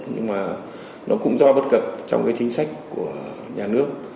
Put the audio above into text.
nhưng mà nó cũng do bất cập trong cái chính sách của nhà nước